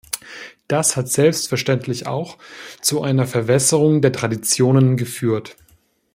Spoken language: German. Das hat selbstverständlich auch zu einer Verwässerung der Traditionen geführt.